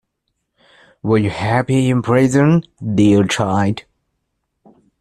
Were you happy in prison, dear child?